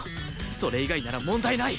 それ以外なら問題ない！